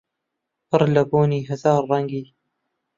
پڕ لە بۆنی هەزار ڕەنگی